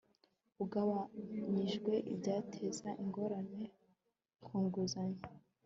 ugabanyijweho ibyateza ingorane ku nguzanyo